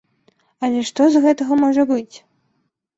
Але што з гэтага можа быць?